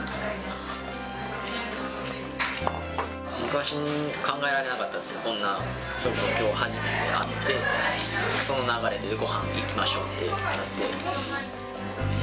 昔は考えられなかったですけど、こんなちょっと、きょう初めて会って、その流れでごはん行きましょうっていって。